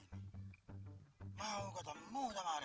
iya sin itu akut kita besides